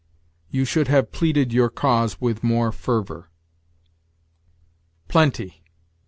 "You should have pleaded your cause with more fervor." PLENTY.